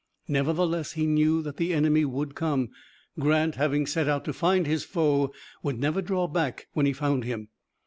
Nevertheless he knew that the enemy would come. Grant having set out to find his foe, would never draw back when he found him.